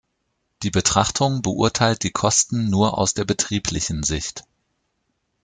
Die Betrachtung beurteilt die Kosten nur aus der betrieblichen Sicht.